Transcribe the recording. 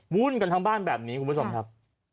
วุ่นกันทั้งบ้านแบบนี้คุณผู้ชมครับ